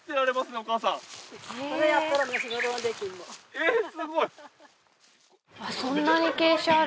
えぇすごい。